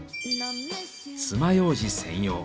つまようじ専用。